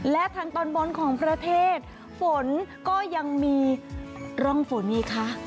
และทางตอนบนของประเทศฝนก็ยังมีร่องฝนอีกคะ